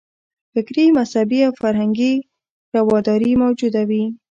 فکري، مذهبي او فرهنګي رواداري موجوده وي.